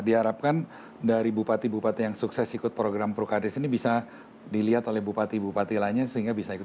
diharapkan dari bupati bupati yang sukses ikut program purkades ini bisa dilihat oleh bupati bupati lainnya sehingga bisa ikut